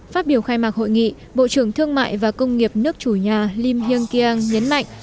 phát biểu khai mạc hội nghị bộ trưởng thương mại và công nghiệp nước chủ nhà lim hiêng kiang nhấn mạnh